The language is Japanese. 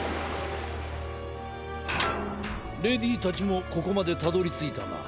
レディーたちもここまでたどりついたな。